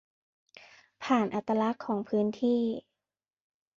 ผ่านอัตลักษณ์ของพื้นที่